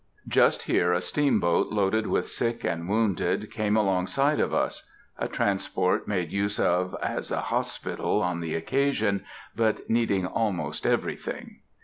Just here a steamboat, loaded with sick and wounded, came along side of us; a transport, made use of as a hospital on the occasion, but needing almost everything.